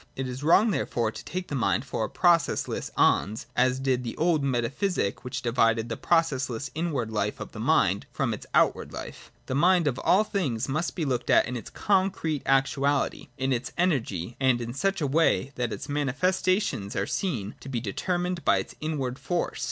It is wrong therefore to take the mind for a processless ens, as did the old meta physic which divided the processless inward life of the mind from its outward life. The mind, of all things, must be looked at in its concrete actuality, in its energy; and 70 FIRST ATTITUDE TO OBJECTIVITY. [35 in such a way that its manifestations are seen to be deter mined by its inward force.